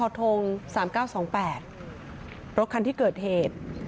รถคันที่เกิดเหตุ